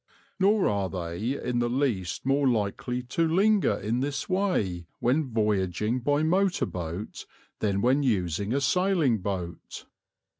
Nor are they in the least more likely to linger in this way when voyaging by motor boat than when using a sailing boat.